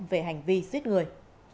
về hành vi giết người